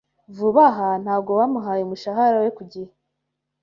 Vuba aha, ntabwo bamuhaye umushahara we ku gihe.